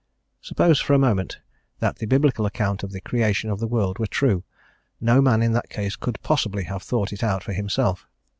Suppose for a moment that the Biblical account of the creation of the world were true, no man in that case could possibly have thought it out for himself.